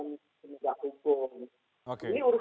pendapat tidak mungkin menangkap orang